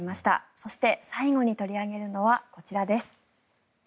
そして、最後に取り上げるのはこちらです。